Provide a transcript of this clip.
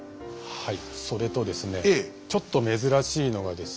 はい。